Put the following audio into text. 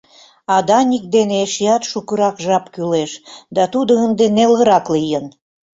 А Даник дене эшеат шукырак жап кӱлеш, да тудо ынде нелырак лийын.